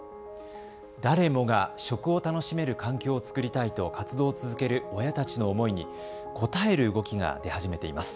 誰もが食を楽しめる環境を作りたいと活動を続ける親たちの思いに応える動きが出始めています。